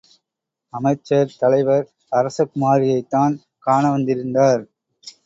அமைச்சர் தலைவர் அரசகுமாரியைத்தான் காண வந்திருந்தார்.